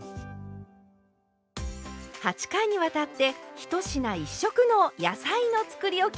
８回にわたって「１品１色の野菜のつくりおき」